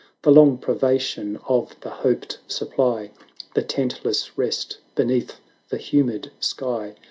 The long privation of the hoped supply. The tentless rest beneath the humid sky.